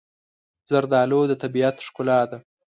زردالو د طبیعت ښکلا ده.